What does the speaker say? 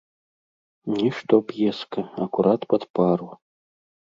Нішто п'еска, акурат пад пару.